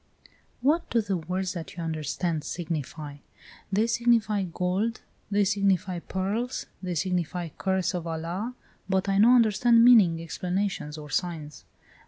"What do the words that you understand signify?" "They signify GOLD, they signify PEARLS, they signify CURSE OF ALA. But I no understand meaning, explanations, or signs.